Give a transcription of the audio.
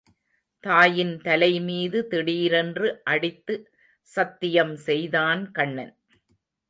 தாயின் தலைமீது திடீரென்று அடித்து சத்தியம் செய்தான் கண்ணன்.